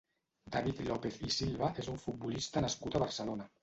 David López i Silva és un futbolista nascut a Barcelona.